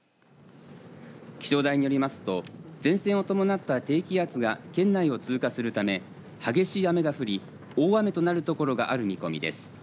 気象台によりますと前線を伴った低気圧が県内を通過するため激しい雨が降り大雨となるところがある見込みです。